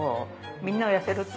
みんなは痩せるって。